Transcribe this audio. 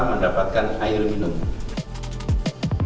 mendapatkan air minum untuk